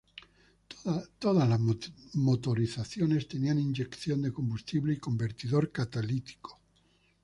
Todas las motorizaciones tenían inyección de combustible y convertidor catalítico.